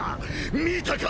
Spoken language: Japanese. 見たか！？